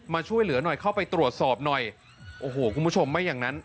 มาช่วยเหลือหน่อยเข้าไปตรวจสอบหน่อยโอ้โหคุณผู้ชมไม่อย่างนั้น